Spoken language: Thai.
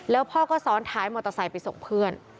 แล้วพ่อก็ซ้อนท้ายมอเตอร์ไซค์ไปส่งเพื่อน